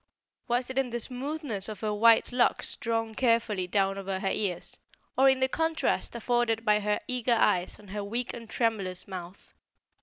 Was it in the smoothness of her white locks drawn carefully down over her ears, or in the contrast afforded by her eager eyes and her weak and tremulous mouth?